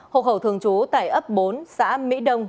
hộ khẩu thường trú tại ấp bốn xã mỹ đông